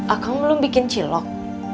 akang belom bikin cilok